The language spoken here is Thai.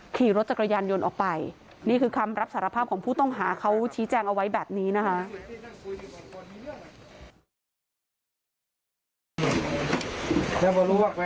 ขี่รถจักรยานยนต์ออกไปนี่คือคำรับสารภาพของผู้ต้องหาเขาชี้แจงเอาไว้แบบนี้นะคะ